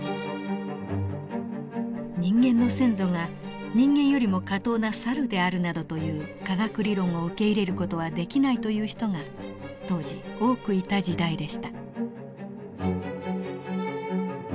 人間の先祖が人間よりも下等なサルであるなどという科学理論を受け入れる事はできないという人が当時多くいた時代でした。